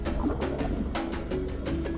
silat harimau pasaman